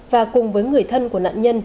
và cùng với người thân của nạn nhân